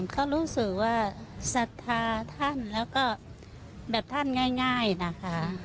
เขารู้สึกว่าศรัทธาท่านแล้วก็แบบท่านง่ายนะคะ